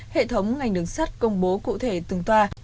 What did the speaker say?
hệ thống ngành đường sắt công bố cụ thể từng toa